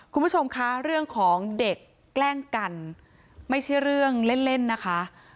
คุณผู้ชมคะเรื่องของเด็กแกล้งกันไม่ใช่เรื่องเล่นเล่นนะคะ